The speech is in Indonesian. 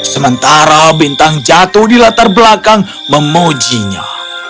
sementara bintang jatuh di latar belakang memujinya